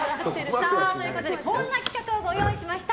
こんな企画ご用意しました。